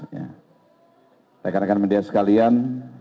ya saya akan mendia sekalian